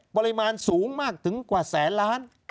ปริมาณสูงมากถึงกว่าแสนล้าน